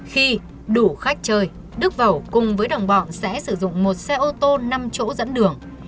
khi đủ khách chơi đức vẩu cùng với đồng bọn sẽ sử dụng một xe ô tô năm chỗ dẫn đường